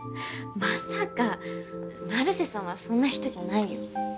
まさか成瀬さんはそんな人じゃないよ